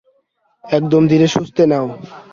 একদম ধীরে-সুস্থে নাও।